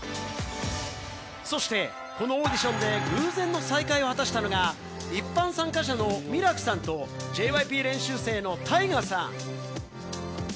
そしてこのオーディションで偶然の再会を果たしたのが、一般参加者のミラクさんとＪＹＰ練習生のタイガさん。